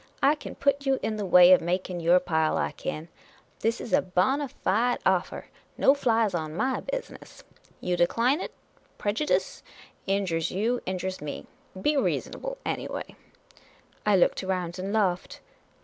I kin put you in the way of making your pile, I kin. This is a bona Jide offer. No flies on my business! You decline it? Prejudice! Injures you; in jures me ! Be reasonable anj'way !" I looked around and laughed.